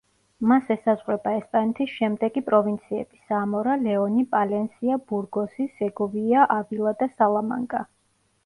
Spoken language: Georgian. მას ესაზღვრება ესპანეთის შემდეგი პროვინციები: სამორა, ლეონი, პალენსია, ბურგოსი, სეგოვია, ავილა და სალამანკა.